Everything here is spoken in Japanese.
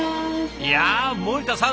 いや森田さん